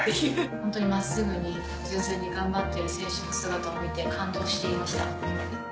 ホントに真っすぐに純粋に頑張ってる選手の姿を見て感動していました。